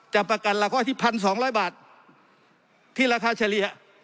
จะประกันหลักอ้อยที่พันสองร้อยบาทที่ราคาเฉลี่ย